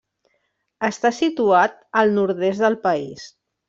Està situat al nord-est del país.